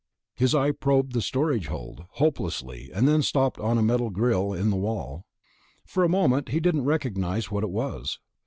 His eye probed the storage hold, hopelessly, and then stopped on a metal grill in the wall. For a moment, he didn't recognize what it was.